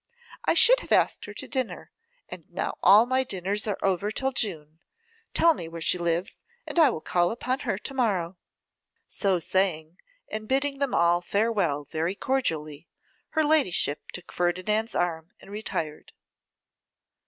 I should have asked her to dinner; and now all my dinners are over till June. Tell me where she lives, and I will call upon her to morrow.' So saying, and bidding them all farewell very cordially, her ladyship took Ferdinand's arm and retired.